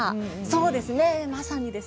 そうですねまさにですね